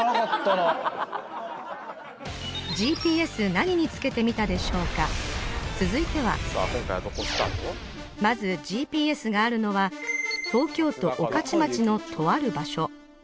何につけてみたでしょうか続いてはまずＧＰＳがあるのは東京都御徒町のとある場所